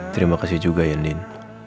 terima kasih juga ya din